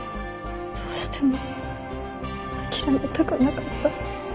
どうしても諦めたくなかった